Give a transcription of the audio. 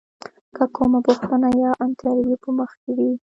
که کومه پوښتنه یا انتریو په مخ کې وي.